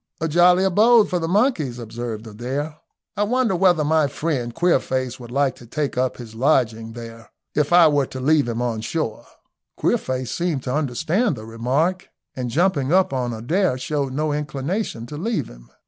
"A jolly abode for the monkeys," observed Adair. "I wonder whether my friend Queerface would like to take up his lodgings there, if I were to leave him on shore?" Queerface seemed to understand the remark, and jumping up on Adair, showed no inclination to leave him.